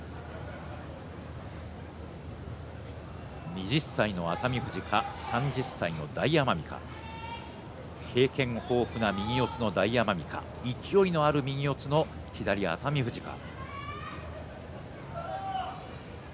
２０歳の熱海富士か３０歳の大奄美か経験豊富な右四つの大奄美か勢いのある右四つの左熱海富士か。